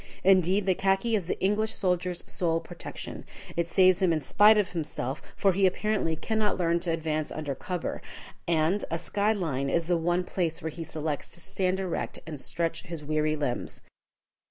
Indeed, the khaki is the English soldier's sole protection. It saves him in spite of himself, for he apparently cannot learn to advance under cover, and a sky line is the one place where he selects to stand erect and stretch his weary limbs.